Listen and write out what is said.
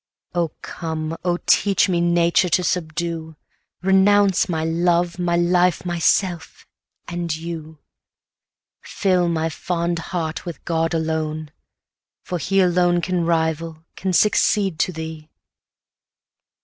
Oh come! oh teach me nature to subdue, Renounce my love, my life, myself and you. Fill my fond heart with God alone, for He Alone can rival, can succeed to thee.